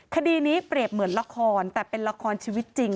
คดีนี้เปรียบเหมือนละครแต่เป็นละครชีวิตจริง